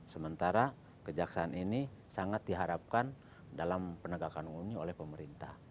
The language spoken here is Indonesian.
sementara kejaksaan ini sangat diharapkan dalam penegakan umumnya oleh pemerintah